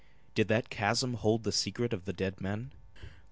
Did that chasm hold the secret of the dead men?